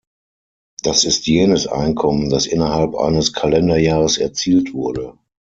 Das ist jenes Einkommen, das innerhalb eines Kalenderjahres erzielt wurde.